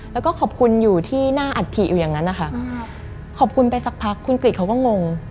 แล้วก็ขอบคุณอยู่ที่หน้าอัฐิอยู่อย่างนั้นนะคะขอบคุณไปสักพักคุณกริจเขาก็งง